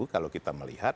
kalau kita melihat